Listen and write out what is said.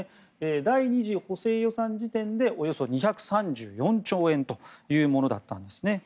第２次補正予算時点でおよそ２３４兆円というものだったんですね。